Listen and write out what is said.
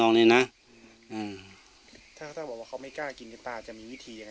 น้องนี่นะอืมถ้าเขาบอกว่าเขาไม่กล้ากินก็ต้าจะมีวิธียังไง